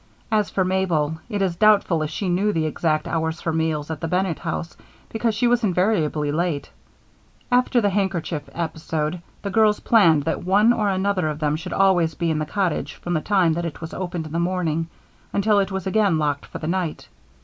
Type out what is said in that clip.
As for Mabel, it is doubtful if she knew the exact hours for meals at the Bennett house because she was invariably late. After the handkerchief episode, the girls planned that one or another of them should always be in the cottage from the time that it was opened in the morning until it was again locked for the night.